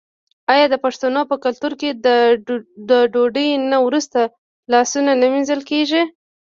آیا د پښتنو په کلتور کې د ډوډۍ نه وروسته لاسونه نه مینځل کیږي؟